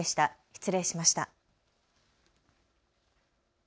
失礼しました。